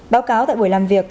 báo cáo tại buổi làm việc